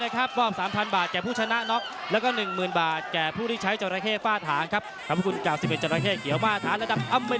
ข้าวอาทิตย์เจอมารถยกที่หนึ่ง